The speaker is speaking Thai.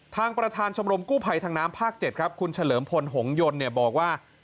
ทางประธานชมรมกู้ไผ่ทางน้ำภาค๗ครับคุณเฉลิมพลหงศ์ยนต์เนี่ยบอกว่า